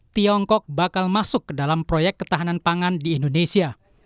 tiongkok bakal masuk ke dalam proyek ketahanan pangan di indonesia